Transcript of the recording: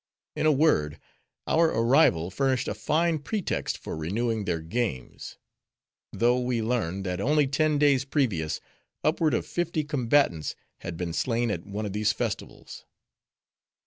In a word, our arrival furnished a fine pretext for renewing their games; though, we learned, that only ten days previous, upward of fifty combatants had been slain at one of these festivals.